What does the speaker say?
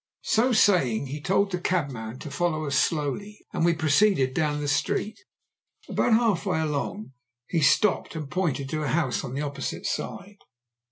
So saying he told the cabman to follow us slowly, and we proceeded down the street. About half way along he stopped and pointed to a house on the opposite side.